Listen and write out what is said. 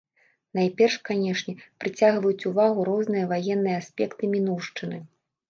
Найперш, канечне, прыцягваюць увагу розныя ваенныя аспекты мінуўшчыны.